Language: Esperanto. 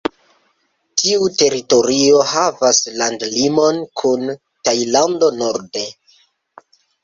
Tiu teritorio havas landlimon kun Tajlando norde.